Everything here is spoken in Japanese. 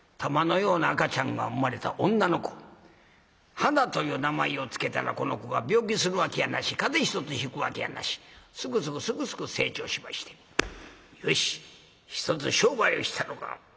ハナという名前を付けたらこの子が病気するわけやなし風邪ひとつひくわけやなしスクスクスクスク成長しまして「よしひとつ商売をしたろか」。